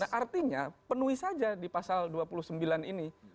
artinya penuhi saja di pasal dua puluh sembilan ini